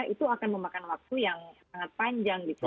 itu akan memakan waktu yang sangat panjang gitu